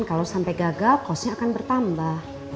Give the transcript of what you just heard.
kalau sampai gagal cost nya akan bertambah